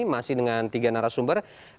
masih dengan tiga narasumber